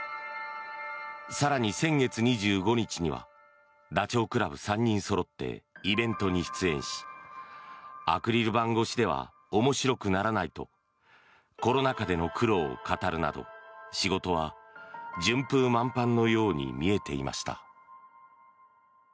更に先月２５日にはダチョウ倶楽部３人そろってイベントに出演しアクリル板越しでは面白くならないとコロナ禍での苦労を語るなど仕事は順風満帆のように見えていました。